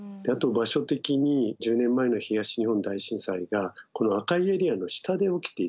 あと場所的に１０年前の東日本大震災がこの赤いエリアの下で起きていたんです。